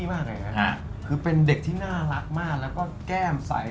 เมื่อกูเป็นเด็กน่ารักมากและแก้มใส